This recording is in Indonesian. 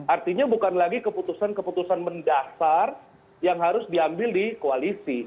artinya bukan lagi keputusan keputusan mendasar yang harus diambil di koalisi